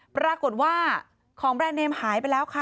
ปรากฏว่าของแบรนด์เนมหายไปแล้วค่ะ